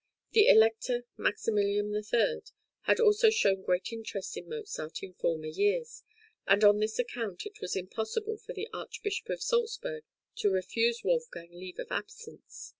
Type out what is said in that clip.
The Elector Maximilian III. had also shown great interest in Mozart in former years, and on this account it was impossible for the Archbishop of Salzburg to refuse Wolfgang leave of absence.